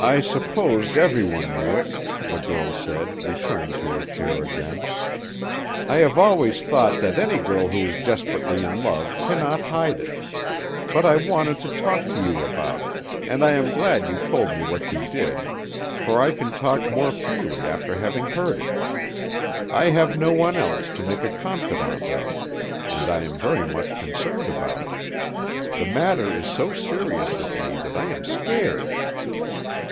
"I supposed everyone knew it," the girl said, returning to her chair again. "I have always thought that any girl who is desperately in love cannot hide it; but I wanted to talk to you about it, and I am glad you told me what you did, for I can talk more freely after having heard it. I have no one else to make a confidant of, and I am very much concerned about it. The matter is so serious with me that I am scared."